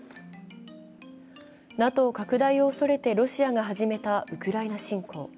ＮＡＴＯ拡大を恐れてロシアが始めたウクライナ侵攻。